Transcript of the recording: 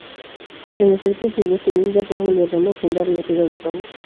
En efecto, sus descendientes, Rómulo y Remo, fundaron la ciudad de Roma.